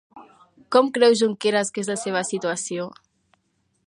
Com creu Junqueras que és la seva situació?